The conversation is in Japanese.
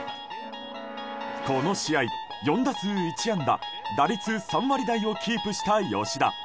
この試合、４打数１安打打率３割台をキープした吉田。